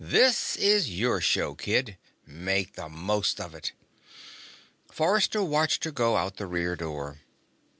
This is your show, kid. Make the most of it." Forrester watched her go out the rear door.